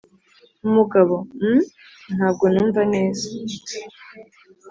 umugabo:" hmmmmm?? ntabwo numva neza!